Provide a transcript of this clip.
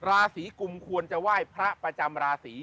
ราศีกุมควรจะไหว้พระประจำราศี